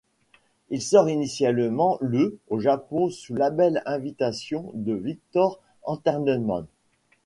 Il sort initialement le au Japon sous le label Invitation de Victor Entertainment.